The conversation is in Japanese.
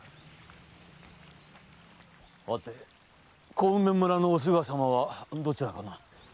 小梅村のおすが様はどちらかな？